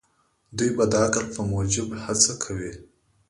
دوی به د عقل په موجب هڅه کوي.